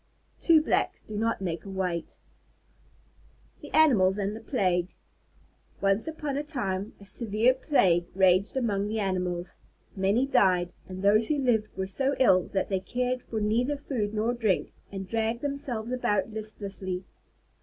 Two blacks do not make a white. THE ANIMALS AND THE PLAGUE Once upon a time a severe plague raged among the animals. Many died, and those who lived were so ill, that they cared for neither food nor drink, and dragged themselves about listlessly.